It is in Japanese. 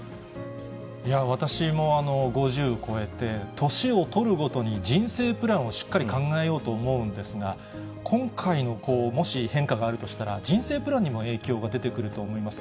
私も５０超えて、年を取るごとに人生プランをしっかり考えようと思うんですが、今回のもし変化があるとしたら、人生プランにも影響が出てくると思います。